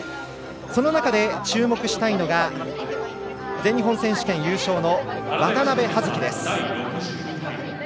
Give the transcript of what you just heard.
その中で注目したいのが全日本選手権優勝の渡部葉月です。